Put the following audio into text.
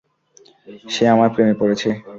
সে আমার প্রেমে পড়েছে।